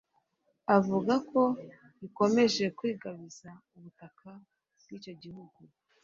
avuga ko ikomeje kwigabiza ubutaka bw’icyo gihugu